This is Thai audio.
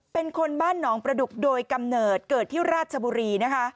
เป็นคนบ้านหนองประดุกโดยกำเนิดเกิดที่ราชบุรีนะคะ